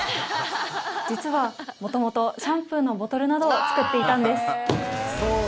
実は、元々シャンプーのボトルなどを作っていたんです。